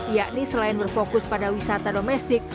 yakni selain berfokus pada wisata domestik